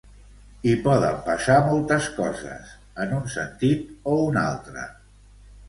I poden passar moltes coses, en un sentit o un altre.